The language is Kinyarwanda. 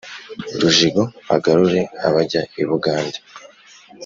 Rujigo agarure abajya i Bugande